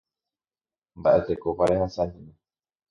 Mba'etekópa rehasahína.